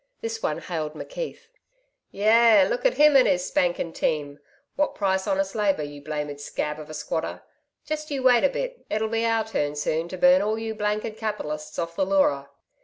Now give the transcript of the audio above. This one hailed McKeith. 'Yah! Look at him and his spanking team! What price honest labour, you blamed scab of a squatter? Just you wait a bit. It'll be our turn soon to burn all you blanked capitalists off the Leura.'